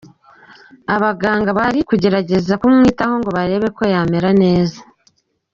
abaganga bari kugerageza kumwitaho ngo barebe ko yamererwa neza.